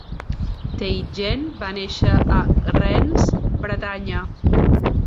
Teitgen va néixer a Rennes, Bretanya.